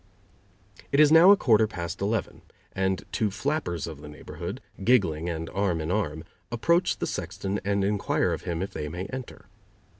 It is now a quarter past eleven, and two flappers of the neighborhood, giggling and arm in arm, approach the sexton and inquire of him if they may enter.